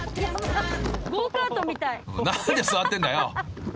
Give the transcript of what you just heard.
［何で座ってんだよ！］